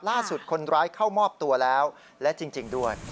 ล่าสุดคนร้ายเข้ามอบตัวแล้วและจริงด้วย